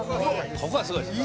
「ここはすごいです。